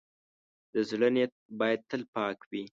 د زړۀ نیت باید تل پاک وي.